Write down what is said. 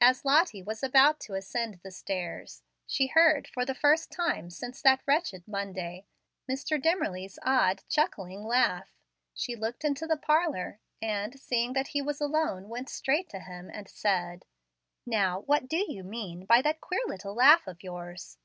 As Lottie was about to ascend the stairs, she heard, for the first time since that wretched Monday, Mr. Dimmerly's odd, chuckling laugh. She looked into the parlor, and, seeing that he was alone, went straight to him, and said, "Now! what do you mean by that queer little laugh of yours?"